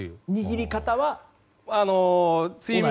握り方は。